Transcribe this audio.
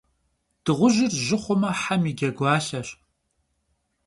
Dığujır jı xhume, hem yi cegualheş.